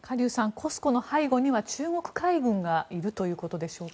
ＣＯＳＣＯの背後には中国海軍がいるということでしょうか？